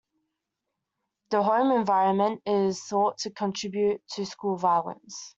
The home environment is thought to contribute to school violence.